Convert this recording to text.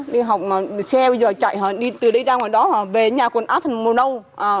đi học mà xe bây giờ chạy đi từ đây ra ngoài đó về nhà còn áp thành màu nâu